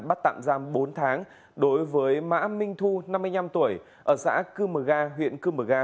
bắt tạm giam bốn tháng đối với mã minh thu năm mươi năm tuổi ở xã cư mờ ga huyện cư mờ ga